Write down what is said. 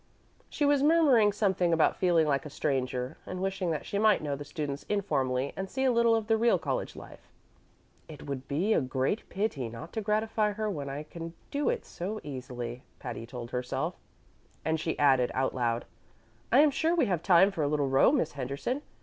She was murmuring something about feeling like a stranger, and wishing that she might know the students informally and see a little of the real college life. "It would be a pity not to gratify her when I can do it so easily," Patty told herself; and she added out loud, "I am sure we have time for a little row, Miss Henderson.